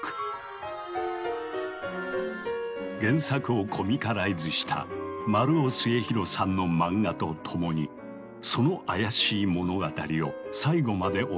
原作をコミカライズした丸尾末広さんのマンガとともにその妖しい物語を最後までお届けする。